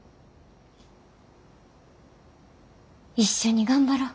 一緒に頑張ろう。